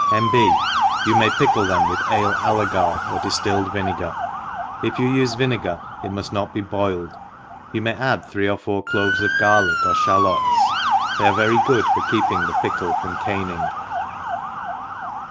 ^M B. You may pickle them with ale alle gar, or diftilled vinegar; if you ufe vinegar, it muft not be boiled ; you may add thtee or four cloves of garlick or fhalots, they are very good for keeping the pickle from caning.